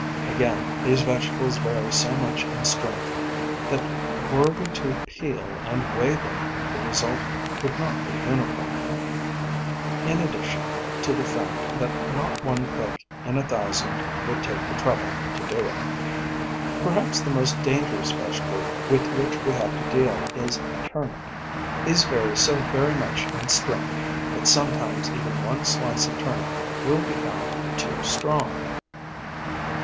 Again, these vegetables vary so much in strength that were we to peel and weigh them the result would not be uniform, in addition to the fact that not one cook in a thousand would take the trouble to do it. Perhaps the most dangerous vegetable with which we have to deal is turnip. These vary so very much in strength that sometimes even one slice of turnip will be found too strong.